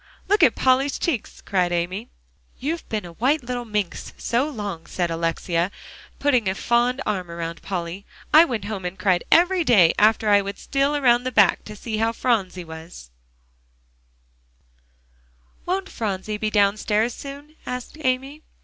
"Look at Polly's cheeks!" cried Amy. "You've been a white little minx so long," said Alexia, putting a fond arm around Polly; "I went home and cried every day, after I would steal around the back way to see how Phronsie was" "Won't Phronsie be downstairs soon?" asked Amy.